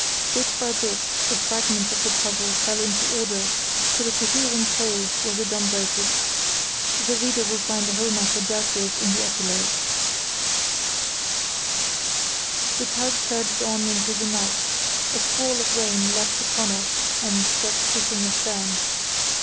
Bit by bit the fragments of the puzzle fell into order till a coherent whole was adumbrated. [The reader will find the whole matter dealt with in the Epilogue.] The tug surged on into the night; a squall of rain leapt upon us and swept hissing astern.